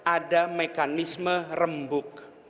ada mekanisme rembuk